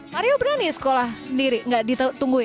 mario berani sekolah sendiri nggak ditungguin